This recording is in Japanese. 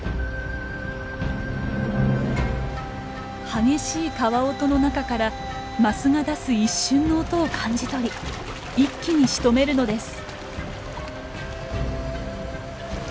激しい川音の中からマスが出す一瞬の音を感じ取り一気にしとめるのです。